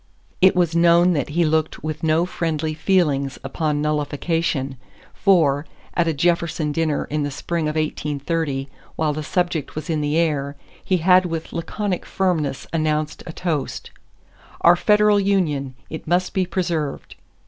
It was known that he looked with no friendly feelings upon nullification, for, at a Jefferson dinner in the spring of 1830 while the subject was in the air, he had with laconic firmness announced a toast: "Our federal union; it must be preserved."